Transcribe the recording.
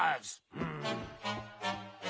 うん！